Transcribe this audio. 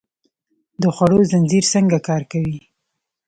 د خوړو زنځیر څنګه کار کوي؟